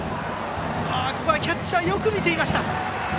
ここはキャッチャーよく見ていました。